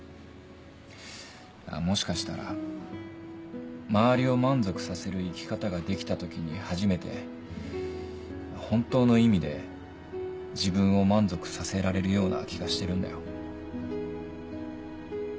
もしかしたら周りを満足させる生き方ができた時に初めて本当の意味で自分を満足させられるような気がしてるんだよ。